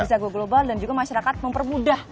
jago global dan juga masyarakat mempermudah